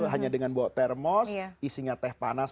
hanya dengan bawa termos isinya teh panas